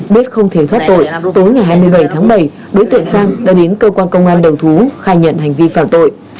biết không thể thoát tội tối ngày hai mươi bảy tháng bảy đối tượng sang đã đến cơ quan công an đầu thú khai nhận hành vi phạm tội